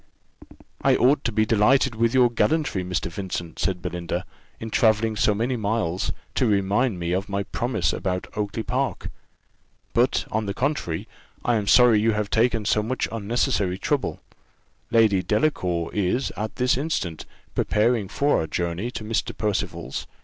"I ought to be delighted with your gallantry, Mr. Vincent," said Belinda, "in travelling so many miles, to remind me of my promise about Oakly park; but on the contrary, I am sorry you have taken so much unnecessary trouble: Lady Delacour is, at this instant, preparing for our journey to Mr. Percival's.